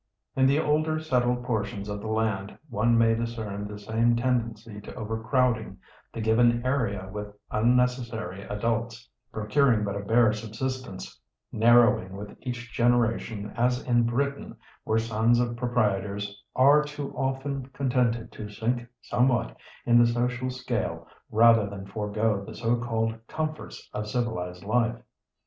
In the older settled portions of the land one may discern the same tendency to over crowding the given area with unnecessary adults, procuring but a bare subsistence, narrowing with each generation as in Britain, where sons of proprietors are too often contented to sink somewhat in the social scale rather than forego the so called "comforts" of civilised life.